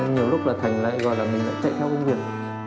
nhiều lúc là thành lại gọi là mình chạy theo bình viện